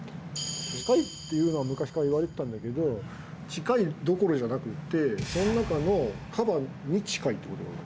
近いっていうのは昔からいわれてたんだけど近いどころじゃなくてその中のカバに近いっていう事がわかった。